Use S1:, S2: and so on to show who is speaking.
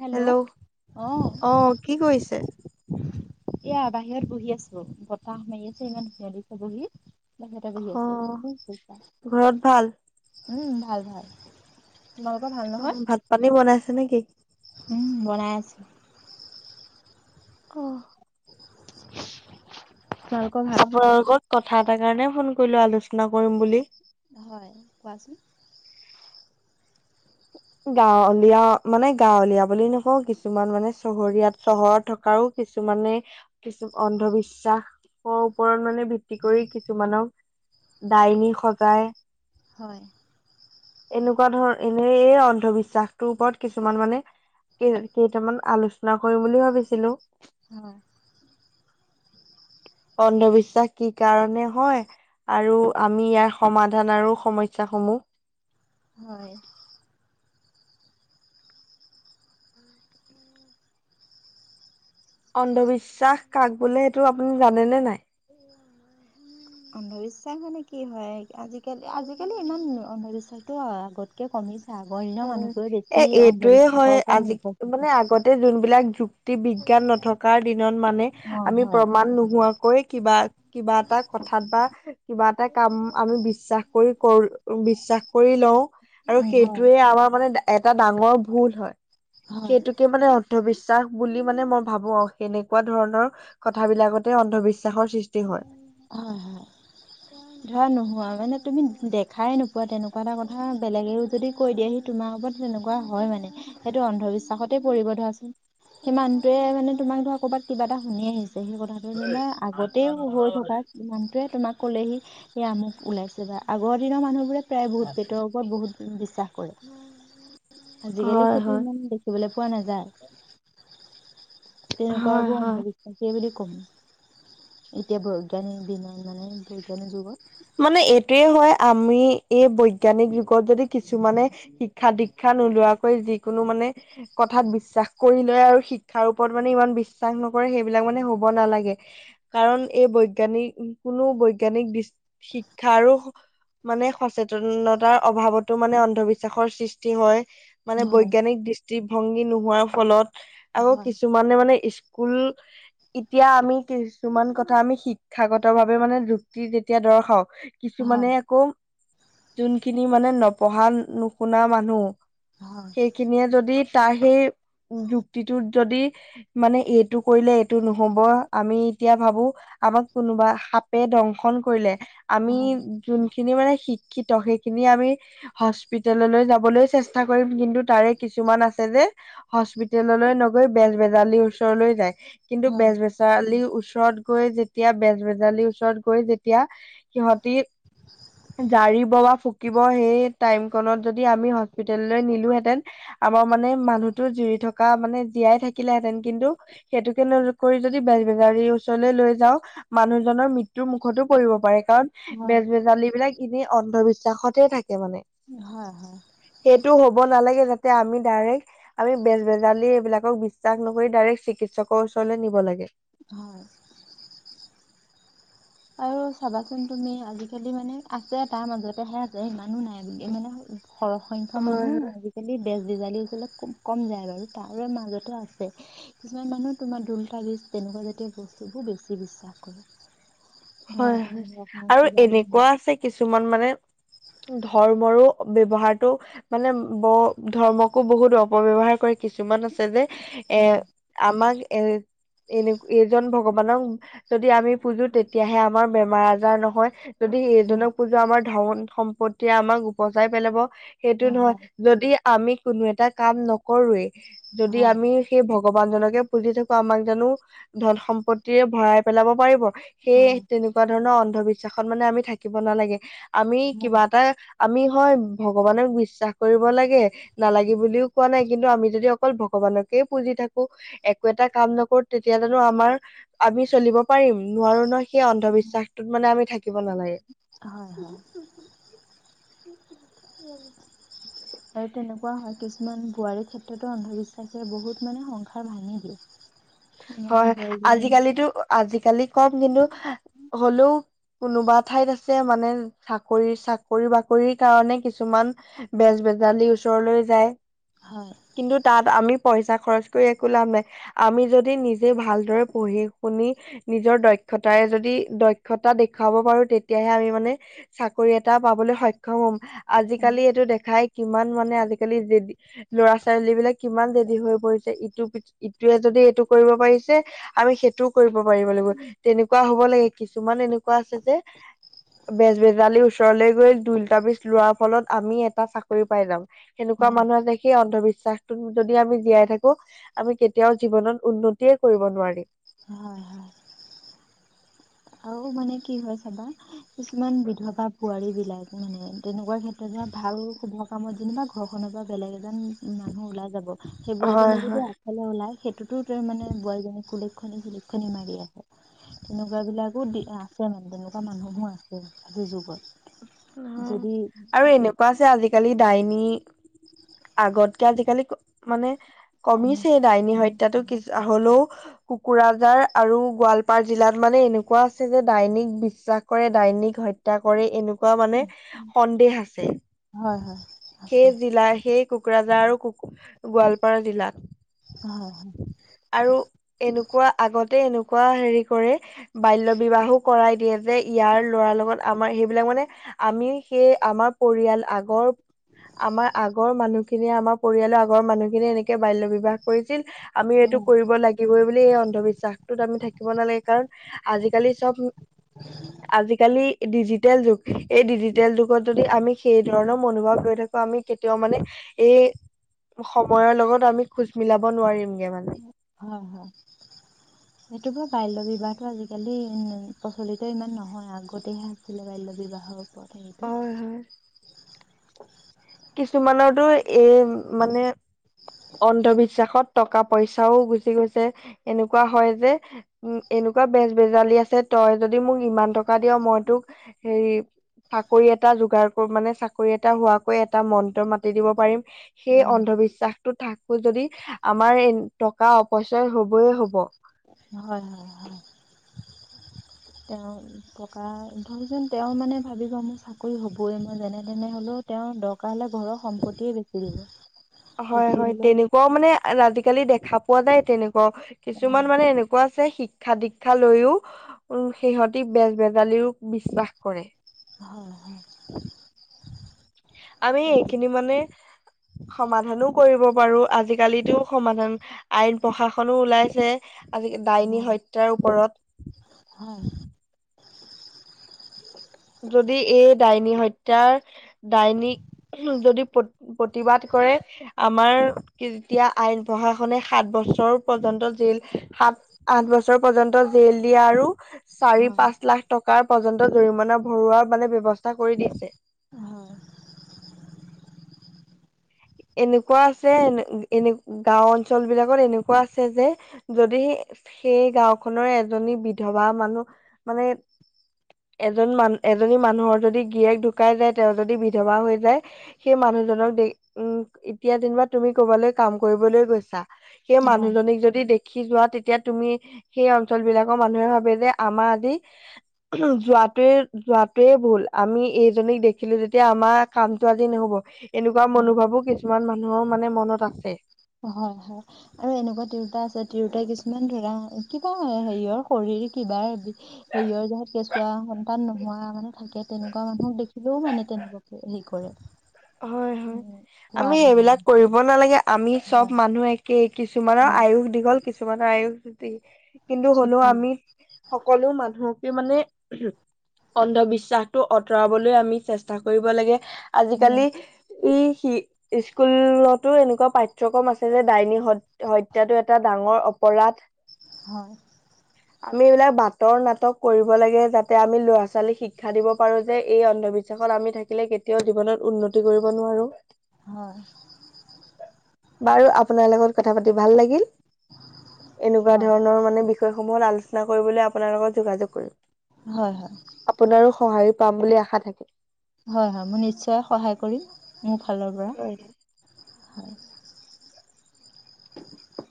S1: Hello. আহ।
S2: অ কি কৰিছে
S1: এতিয়া বাহিৰত বহি আছো। বতাহ মাৰি আছে ইমান ধুনীয়া দিছে বহি।
S2: অ ঘৰত ভাল
S1: [unintelligible] উম ভাল ভাল। তোমালোকৰ ভাল
S2: অ
S1: নহয়?
S2: ভাত-পানী বনাইছে নেকি?
S1: বনাই আছে।
S2: অ।
S1: [unintelligible] ভাল?
S2: আপোনাৰ লগত কথা এটাৰ কাৰণে ফোন কৰিলো আলোচনা কৰিম বুলি।
S1: হয়, কোৱাচোন।
S2: গাঁৱলীয়া মানে গাঁৱলীয়া বুলি নকওঁ। কিছুমান মানে চহৰীয়াত চহৰত থকাৰো। কিছুমানে কিছু অন্ধবিশ্বাসৰ ওপৰত মানে। ভিত্তি কৰি কিছুমানক দাইনি সজাই।
S1: হয়।
S2: এনেকুৱা ধৰ এনে অঞ্চ অন্ধবিশ্বাসটোৰ ওপৰত কিছুমান মানে কেইটামান আলোচনা কৰিম বুলি ভাবিছিলো।
S1: হয়।
S2: অন্ধবিশ্বাস কি কাৰণে হয়। আৰু আমি ইয়াৰ সমাধান আৰু সমস্যাসমূহ।
S1: হয়।
S2: অন্ধবিশ্বাস কাক বোলে সেইটো আপুনি জানেনে নাই।
S1: অন্ধবিশ্বাস মানে কি হয় আজিকালি আজিকালি ইমান অন্ধবিশ্বাসটো আগতকৈ কমিছে। আগৰ দিনৰ
S2: অ'
S1: মানুহবোৰে বেছি
S2: এ এইটোয়ে
S1: অন্ধবিশ্বাসৰ
S2: হয়
S1: ওপৰত
S2: আজি মানে
S1: নিৰ্ভৰশীল
S2: আগতে যোনবিলাক যুত্তি বিজ্ঞান নথকাৰ দিনত মানে
S1: অ
S2: আমি
S1: হয়
S2: প্ৰমাণ নোহোৱাকৈ কিবা কিবা এটা কথাত বা কিবা এটা কাম আমি বিশ্বাস কৰি কৰো বিশ্বাস। কৰি লও আৰু
S1: উম হয়
S2: সেইটোয়ে আমাৰ মানে এটা ডাঙৰ ভুল হয়।
S1: হয়
S2: সেইটোকে মানে অন্ধবিশ্বাস বুলি মানে মই ভাবো আৰু সেনে। এনেকুৱা ধৰণৰ কথাবিলাকতে অন্ধবিশ্বাস।
S1: হয়, হয়, ধৰা নোহোৱা মানে। তুমি দেখাই নোপোৱা তেনেকুৱা এটা কথা বেলেগেও যদি কৈ দিয়ে সেই তোমাৰ ওপৰত তেনেকুৱা হয় মানে। সেইটো অন্ধবিশ্বাসতে পৰিব ধৰাচোন সেই মানুহটোৱে মানে তোমাক ধৰা ক'ৰবাত কিবা এটা শুনি আহিছে। সেই কথাটো যেনিবা আগতে হৈ থকা কিমানটোৱে তোমাক। ক'লেহি সেয়া আমুক ওলাইছে বা আগৰ দিনৰ মানুহবোৰে প্ৰায় বহুত ভূট পেটৰ ওপৰত বহুত বিশ্বাস কৰে। আজিকালি
S2: হয়
S1: সেইটো
S2: হয়
S1: ইমান দেখিবলৈ পোৱা নাযায়।
S2: হয়
S1: তেনেকুৱাবোৰ
S2: হয়।
S1: অন্ধবিশ্বাসেই বুলি কম। এতিয়া বৈজ্ঞানিক বি মানে বৈজ্ঞানিক যুগত।
S2: মানে এইটোয়ে হয় আমি এই বৈজ্ঞানিক যুগত যদি কিছুমানে শিক্ষা দীক্ষা। নোলোৱাকৈ যিকোনো মানে কথাত বিশ্বাস কৰি লয় আৰু শিক্ষাৰ ওপৰত মানে ইমান বিশ্বাস ন। সেইবিলাক মানে হ'ব নালাগে। কাৰণ এই বৈজ্ঞানিক কোনো বৈজ্ঞানিক দৃষ্টি শিক্ষা আৰু মানে সচেতনতাৰ অভাৱতো মানে অন্ধবিশ্বাসৰ সৃষ্টি হয়। মানে
S1: হয়
S2: বৈজ্ঞানিক দৃষ্টিভংগী নোহোৱাৰ ফলত আকৌ
S1: হয়
S2: কিছুমানে মানে ভূল এতিয়া আমি কিছুমান কথা আমি শিক্ষাগত ভাৱে মানে যুক্তি এতিয়া দৰ্শাও কিছুমানে
S1: হয়
S2: আকৌ যোনখিনি মানে নপঢ়া নুশুনা মানুহ
S1: হয়
S2: সেইখিনিয়ে যদি। তাৰ সেই যুক্তিটো যদি মানে এইটো কৰিলে এইটো নহ'ব আমি এতিয়া ভাবো। আমাক কোনোবা সাপে দংশন কৰিলে, আমি যোনখিনি মানে শিক্ষী শিক্ষিত সেইখিনি আমি হস্পিতেললৈ যাবলৈ চেষ্টা কৰিম। কিন্তু, তাৰে কিছুমান আছে যে হস্পিতেললৈ নগৈ বেজ বেজালিৰ ওচৰলৈ যায়। কিন্তু
S1: হয়
S2: বেজবেচাৰলীৰ ওচৰত গৈ যেতিয়া বেজবেজাৰালিৰ ওচৰত গৈ যেতিয়া এতিয়া সিহঁতি জাৰিব বা ফুকিব সেই টাইমকণত যদি আমি। হস্পলৈ নিলোতেন আমাৰ মানে মানুহতো জুৰি থকা। থকা মানে জীয়াই থাকিলেহেঁতেন। কিন্তু, সেইটোকে কৰি যদি বেজ বেজাৰীৰ ওচৰলৈ লৈ যাওঁ মানুহজনৰ মৃত্যু মুখ। মুখতো পৰিব পাৰে, কাৰণ
S1: হয়,
S2: বেজ বেজালী বিলাক এনেই অন্ধবিশ্বাসতে থাকে। মানে।
S1: হয়, হয়,
S2: সেইটো হ'ব ন নালাগে তাতে, আমি ডাইৰেক আমি বেজ-বেজালি এইবিলাকক বিশ্বাস নকৰি ডাইৰেক চিকিৎসকৰ ওচৰলৈ নিব লাগে।
S1: হয়। আৰু চাবাচোন তুমি আজিকালি মানে আছে তাৰ মাজতেহে আছে, ইমানো নাই বুলি, মানে সৰহ সংখ্যক
S2: হয়
S1: মানুহ আজিকালি বেজ-বেজালী কম যায় বাৰু। তাৰে মাজত আছে, কিছুমান মানুহ তোমাৰ দল টাবিছ তেনেকুৱা জাতীয় সেইবোৰ বেছি বিশ্বাস কৰে। ধৰা
S2: হয়
S1: তোমাৰ
S2: হয়
S1: ঘৰখনত
S2: আৰু
S1: কিবা
S2: এনেকুৱা আছে কিছুমান মানে ধৰ্মৰো ব্যৱহাৰতটো মানে ব ধৰ্মকো বহুত অপব্যৱহাৰ কৰে, কিছুমান আ যে এ
S1: হয়,
S2: আমাক এ এনে-এইজন ভগৱানক যদি আমি পুজো তেতিয়াহে আমাৰ বেমাৰ আজাৰ নহয়। যদি
S1: হয়,
S2: সেইজনক পুজা আমাৰ ধন সম্পত্তিয়ে আমাক উপজাই পেলাব। সেইটো নহয়।
S1: হয়,
S2: যদি আমি কোনো এটা কাম নকৰোৱেই, যদি
S1: হয়,
S2: আমি সেই ভ ভগৱান জনকে পুজি থাকো, আমাক জানো ধন সম্পত্তিৰে ভৰাই পেলাব পাৰিব। সেইয়ে
S1: হয়,
S2: তেনেকুৱা ধৰণৰ অন্ধবিশ্বাসত মানে আমি থাকিব নালাগে। আমি
S1: হয়।
S2: কিবা এটা আমি হয় ভগৱানক বিশ্বাস কৰিব লাগে, নালাগে বুলিও কোৱা নাই। কিন্তু আমি যদি অকল ভগ ভগৱানকে পুজি থাকো, একো এটা কাম নকৰো, তেতিয়া জানো আমাৰ আমি চলিব পাৰিম। নোৱাৰো নহয়। সেই অন্ধবিশ্বাসত মানে আমি থাক
S1: হয় হয়। আৰু তেনেকুৱা হয়। কিছুমান বোৱাৰীৰ ক্ষেত্ৰতো অন্ধবিশ্বাসে বহুত মানে সংসাৰ ভাঙি দিয়ে।
S2: [inaudible]
S1: তোমাৰ
S2: হয়।
S1: বোৱাৰীজনী
S2: আজিকালিতো, আজিকালি কম কিন্তু হ'লেও কোনোবা ঠাইত আছে, মানে চাকৰি-চাকৰি-বাকৰিৰ কাৰণে কিছুমান বেজ-বেজালি ওচৰলৈ যায়।
S1: হয়,
S2: কিন্তু তাত আমি পইচা খৰচ কৰি একো লাভ নাই। আমি যদি নিজে যে ভালদৰে পঢ়ি-শুনি নিজৰ দক্ষতাৰে যদি দক্ষতা দেখুৱাব পাৰো তেতিয়া আমি মানে চাকৰি এটা পাবলৈ সক্ষম হম, আজিকালি এইটো দেখাই কিমান মানে আজিকালি ল'ৰা-ছোৱালী বিলাক কিমান জেদী হৈ পৰিছে। ইটো-ইটোৱে যদি এইটো কৰিব পাৰিছে, আৰু সেইটোও কৰিব পাৰিব লাগিব। তেনেকুৱা হৈ হ'ব লাগে। কিছুমান এনেকুৱা আছে যে বেজ-বেজালিৰ ওচৰলৈ গৈ ঢুল-তাবিজ লোৱাৰ ফলত আমি এটা চাকৰি পাই যাম। সেনেকুৱা
S1: হয়।
S2: মানুহ আছে, সেই অন্ধবিশ্বাস বিশ্বাসত যদি আমি জীয়াই থাকো, আমি কেতিয়াও জীৱনত উন্নতিয়ে কৰিব নোৱাৰিম।
S1: হয় হয়। আৰু মানে কি হয় চাবা কিছুমান বিধৱা বোৱাৰী বিলাক মানে তেনেকুৱা ক্ষেত্ৰত যে ভাল ভাল শুভ কামত যেনিবা ঘৰখনৰ পৰা বেলেগ এজন মানুহ ওলাই যাব, সেইবোৰ
S2: হয়
S1: এজনে
S2: হয়
S1: যদি আগফালে ওলাই সেইটোতো তাৰ মানে বোৱাৰীজনীক কুলক্ষণী-সুলক্ষনী মাৰি আছে। তেনেকুৱা বিলাকো দি আছে মানে তেনেকুৱা মানুহো আছে আজিৰ যুগত।
S2: অ
S1: যদি
S2: আৰু এনেকুৱা আছে আজিকালি ডাইনী আগতকে আজিকালি মানে কমিছে ডাইনী হত্যাটো। কিচ-হলেও কোকৰাঝাৰ আৰু গোৱালপাৰ জিলাত মানে এনেকুৱা আছে যে ডাইনিক বিশ্বাস কৰে। ডাইন নিক হত্যা কৰে এনেকুৱা একা মানে সন্দেহ আছে।
S1: হয় হয় আছে
S2: সেই জিলাৰ সেই কোকৰাঝাৰ আৰু গোৱালপাৰা জিলাত।
S1: হয় হয়
S2: আৰু এনেকুৱা কোৱা আগতে এনেকুৱা হেৰি কৰে বাল্য বিবাহো কৰাই দিয়ে যে, ইয়াৰ ল'ৰাৰ লগত আমাৰ সেইবিলাক মানে, আমি সেই আমাৰ পৰিয়াল আগৰ আমাৰ আগৰ আগৰ মানুহখিনিয়ে, আমাৰ পৰিয়ালৰ আগৰ মানুহখিনিয়ে, এনেকে বাল্য বিবাহ কৰি ছিল, আমি এইটো
S1: উম
S2: কৰিব লাগিবই বুলি এই অন্ধবিশ্বাসতোত আমি থাকিব নালাগে, কাৰণ আজিকালি চব [unintelligible] আজিকালি ডিজিটেল যুগ, এই ডিজিটেল যুগত যদি আমি সেই ধৰণৰ মনোভাৱ লৈ থাকো আমি কেত তিয়াও মানে এই, সময়ৰ লগত আমি খোজ মিলাব নোৱাৰিম।
S1: হয়, হয়। সে টোতো বাল্য বিবাহটো আজিকালি ইম প্ৰচলিত ইমান নহয়, আগতেহে আছিলে বাল্য বিবাহৰ ওপৰত। এইটো [inaudible]
S2: হয় হয়। কিছুমানৰতো এ মানে অন্ধবিশ্বাসত টকা পইচাও গুচি গৈছে, এনেকুৱা হয় যে উম, এন এনেকুৱা বেজ বেজালি আছে তই যদি মোক ইমান টকা দিয় মই তোক হেৰি চাকৰি এটা যোগাৰ কৰোঁ মানে চাকৰি এটা হোৱা কৈ এটা মন্ত্ৰ মাতি দিব পাৰিম, সেই
S1: উম,
S2: অন্ধবিশ্বাসতো থাকবো যদি আমাৰ এই ত টকা অপচয় হ'বয়ে হ'ব।
S1: হয় হয় হয়। তেওঁ টকা ধৰকচোন তেওঁ মানে ভাবিব মোৰ চাকৰি হ'বই মই যেনে তেনে হ'লেও তেওঁ দৰকাৰ হ'লে ঘৰৰ সম্পত্তিয়ে বিক্ৰি দিব।
S2: হয়
S1: বেচি
S2: হয়,
S1: হ'লেও
S2: তেনেকুৱাও মানে আজিকালি দেখা পোৱা যায় তেনে ব, কিছুমান
S1: হয়
S2: মানে এনেকুৱা ছে শিক্ষা দীক্ষা লৈও উম, সিহঁতি বেজ বেজালিও বিশ্বাস কৰে।
S1: হয় হয় [inaudible]
S2: আমি
S1: হয়
S2: এইখিনি মানে সমাধানো কৰিব পাৰোঁ, আজিকালিতো সমাধান আইন প্ৰশাসনো ওলাইছে আজিকা ডাইনী হত্যাৰ
S1: হয়
S2: ওপৰত। যদি এই ডাইনী হত্যাৰ, ডাইনীক যদি প্ৰত-প্ৰতিবাদ কৰে আমাৰ তেতিয়া আইন প্ৰশাসনে সাত ব ছৰ পৰ্যন্ত জেল, সাত আঁঠ বছৰ পৰ্যন্ত জেল দিয়া আৰু চাৰি
S1: হয়
S2: পাঁচ লাখ টকাৰ পৰ্যন্ত জৰিমনা ভৰোৱাৰ মানে ব্যৱস্থা কৰি দিছে।
S1: হয় [inaudible]
S2: এনেকুৱা আছে এন এনে গাওঁ অঞ্চল বিলাকত এনেকুৱা আছে যে, যদি [inaudible] সেই গাওঁখনৰে এজনী বিধৱা মানুহ মানে এজন মান এজনী মানুহৰ যদি গীৰিয়েক ঢুকাই যায় তেওঁ যদি বিধৱা হৈ যায়, সেই মানুহ জনক দে উম, এতিয়া যেনিবা তুমি কবালৈ কাম কৰিবলৈ গৈছা, সেই
S1: হয়
S2: মানুহজনীক যদি দে খি যোৱা তেতিয়া তুমি সেই অঞ্চল বিলাকৰ মানুহে ভাবে যে আমাৰ আজি [inaudible] যোৱা তাতে যোৱাতোৱে ভুল, আমি এইজনীক দেখিলোঁ যেতিয়া আমাৰ কামটো আজি ন'হব এনেকুৱা
S1: হয়
S2: মনোভাৱো কিছুমান মানুহৰ মানে মনত আছে।
S1: হয়, হয়। আৰু এনেকুৱা তিৰোতা আছে তিৰোতা কিছুমান ধৰা কিবা হেৰিয়ৰ শৰীৰ কিবা, হেৰিয়ৰ জহত কেঁচুৱা সন্তান নোহোৱা মানে থাকে তেনেকুৱা মানুহক দেখিলেও মানে তেনেকুৱাকে হেৰি কৰে।
S2: হয়, হয়।
S1: উম খোৱাৰ
S2: আমি
S1: ধৰণে
S2: এইবিলাক কৰিব নালাগে আমি চব
S1: হয়
S2: মানুহ একে কিছুমানৰ
S1: হয়
S2: আয়ুস দীঘল কিছুমানৰ আয়ুস ছুটি। কিন্তু হ'লেও
S1: ছুটি
S2: আমি, সকলো মানুহ কি মানে, অন্ধবিশ্বাসটো অতৰাবলৈ আমি চেষ্টা কৰিব লাগে কালি
S1: হয়,
S2: ই সি স্কুলতো এনেকুৱা পাঠ্যক্ৰম আছে যে ডাইনী হত হত্যাটো এটা ডাঙৰ অপ পৰাধ।
S1: হয়।
S2: আমি এইবিলাক বাটৰ নাটক ক'ৰিব লাগে যাতে আমি ল'ৰা ছোৱালীক শিক্ষা দিব পাৰোঁ যে এই অন্ধবি বিশ্বাসত আমি থাকিলে কেতিয়াও জীৱনত উন্নতি কৰিব নোৱাৰোঁ।
S1: হয়।
S2: বাৰু, আপোনাৰ লগত কথা পাতি ভাল লাগিল। এনেকুৱা
S1: হয়,
S2: ধৰণৰ মানে বিষয় সমূহত আলোচনা কৰিবলৈ আপোনাৰ লগত যোগাযোগ কৰিম।
S1: হয়, হয়।
S2: সহায়ো পাম বুলি আশা থাক
S1: হয়, হয়, মই নিশ্চয় সহায় কৰিম মোৰ ফালৰ পৰা।
S2: হয়।
S1: হয় [unintelligible]